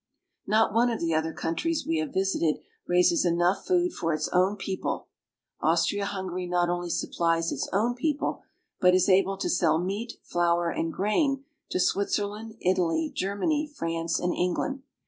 Not one of the other countries we have visited raises enough food for its own people. Austria Hungary not only supplies its own people, but is able to sell meat, flour, and grain to Switzerland, Italy, Germany, France, and England.